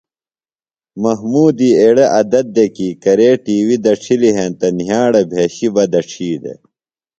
محمودی ایڑےۡ عدت دےۡ کی کرے ٹی وی دڇِھلیۡ ہینتہ نِھیاڑہ بھشیۡ بہ دڇھی دےۡ۔